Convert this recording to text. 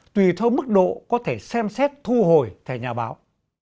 tùy theo mức độ có thể xem xét thu hồi thẻ nhà báo